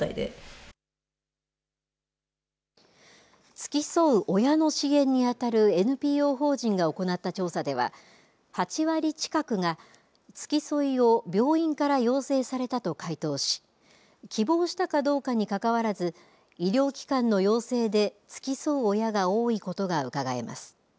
付き添う親の支援に当たるＮＰＯ法人が行った調査では８割近くが付き添いを病院から要請されたと回答し希望したかどうかにかかわらず医療機関の要請で付き添う親が多いことがうかがえます。